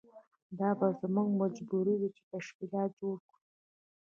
دا به زموږ مجبوري وي چې تشکیلات جوړ کړو.